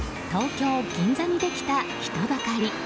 東京・銀座にできた人だかり。